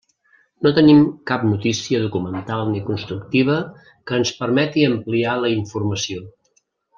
No tenim cap notícia documental ni constructiva que ens permeti ampliar la informació.